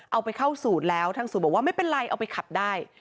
เอาไปเข้าสูตรแล้วทางสูตรบอกว่าไม่เป็นไรเอาไปขับได้